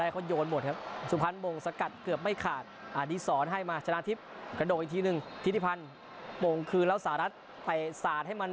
ก่อนจะจ่ายตรงกลางให้อ